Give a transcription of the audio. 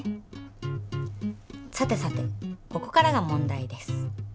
さてさてここからが問題です。